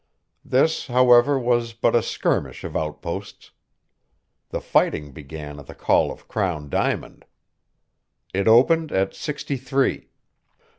This, however, was but a skirmish of outposts. The fighting began at the call of Crown Diamond. It opened at sixty three.